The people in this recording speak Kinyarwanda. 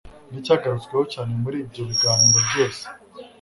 nicyagarutsweho cyane muri ibyo biganiro byose